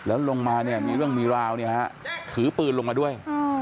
แล้วลงมามีเรื่องมีราวขือปืนลงมาด้วย